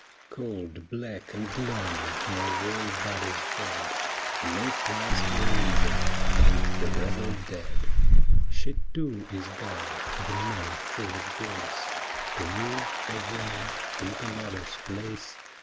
Cold, black, and lonely my warm body's bed. No prize for living — and for ever dead. She too is gone, the Mary full of grace. To me, a woman, took a mother's place.